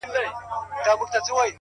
• د نامه له يادولو يې بېرېږي,